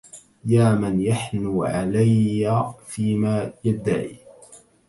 يا من يحن علي فيما يدعي